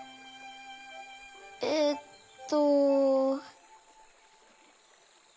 えっと。